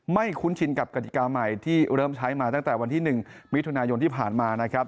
คุ้นชินกับกฎิกาใหม่ที่เริ่มใช้มาตั้งแต่วันที่๑มิถุนายนที่ผ่านมานะครับ